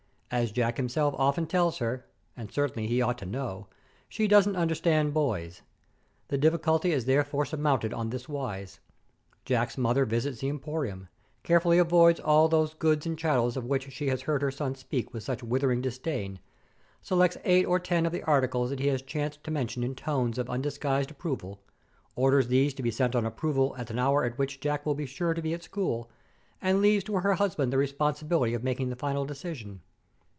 As Jack himself often tells her and certainly he ought to know she doesn't understand boys. The difficulty is therefore surmounted on this wise. Jack's mother visits the emporium; carefully avoids all those goods and chattels of which she has heard her son speak with such withering disdain; selects eight or ten of the articles that he has chanced to mention in tones of undisguised approval; orders these to be sent on approval at an hour at which Jack will be sure to be at school; and leaves to her husband the responsibility of making the final decision.